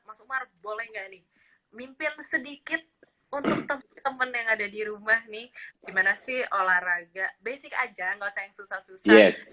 mas umar boleh nggak nih mimpin sedikit untuk teman teman yang ada di rumah nih gimana sih olahraga basic aja gak usah yang susah susah